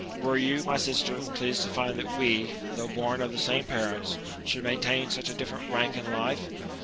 Were you, my sister, pleased to find that we, though born of the same parents, should maintain such a different rank in life